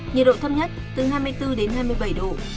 nhiệt độ thấp nhất từ hai mươi bốn đến hai mươi bảy độ